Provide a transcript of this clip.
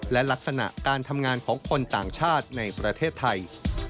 และลักษณะการทำงานของคนต่างชาติในประเทศไทย